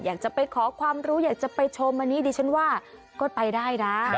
อยากจะไปขอความรู้อยากจะไปชมอันนี้ดิฉันว่าก็ไปได้นะ